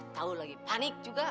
tau lagi panik juga